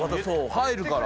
入るから。